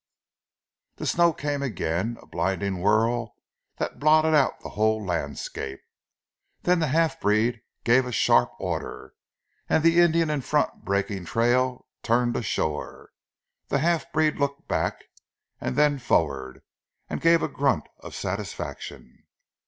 The snow came again, a blinding whirl that blotted out the whole landscape, then the half breed gave a sharp order, and the Indian in front breaking trail turned ashore. The half breed looked back, and then forward, and gave a grunt of satisfaction.